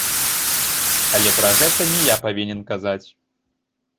Але пра гэта не я павінен казаць.